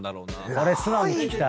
これ素直に聞きたい。